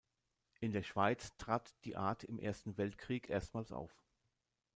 In der Schweiz trat die Art im Ersten Weltkrieg erstmals auf.